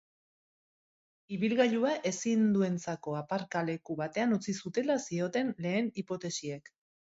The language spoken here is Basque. Ibilgailua ezinduentzako aparkaleku batean utzi zutela zioten lehen hipotesiek.